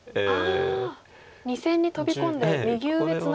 ２線にトビ込んで右上ツナがろうと。